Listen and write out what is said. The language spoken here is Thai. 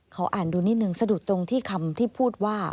ขออ่านดูนิดนึงสะดุดตรงที่คำที่พูดว่า